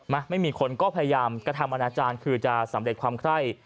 ไม่มีคนก็พยายามกระทำอนาจารย์คือจะสำเร็จความไคร่